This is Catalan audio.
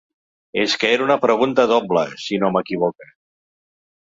És que era una pregunta doble, si no m’equivoque.